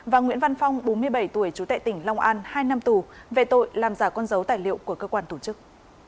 và nguyễn văn phong bốn mươi bảy tuổi trú tại tỉnh long an hai năm tù về tội làm giả con dấu tài liệu của cơ quan tổ chức